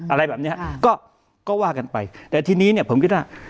อะไรแบบเนี้ยก็ก็ว่ากันไปแต่ทีนี้เนี่ยผมคิดว่า